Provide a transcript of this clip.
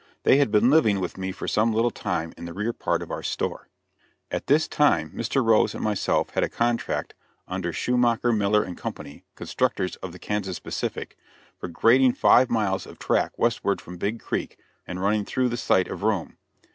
They had been living with me for some little time in the rear part of our "store." At this time Mr. Rose and myself had a contract under Schumacher, Miller & Co., constructors of the Kansas Pacific, for grading five miles of track westward from Big Creek, and running through the site of Rome.